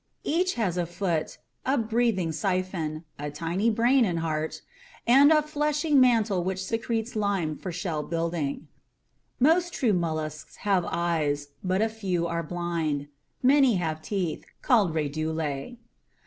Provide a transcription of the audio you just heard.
Each has a foot, a breathing siphon, a tiny brain and heart, and a fleshy mantle which secretes lime for shell building. Most true mollusks have eyes, but a few are blind. Many have teeth, called RADULAE.